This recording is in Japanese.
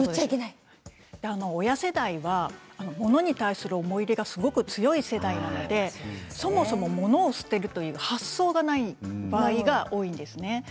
親世代は物に対する思い入れがすごい強い世代なのでそもそも物を捨てるという発想がない場合が多いですね。